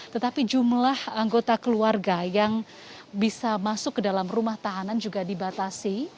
tetapi jumlah anggota keluarga yang bisa masuk ke dalam rumah tahanan juga dibatasi